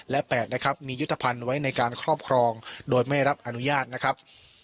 และ๘นะครับมียุทธภัณฑ์ไว้ในการครอบครองโดยไม่รับอนุญาตนะครับ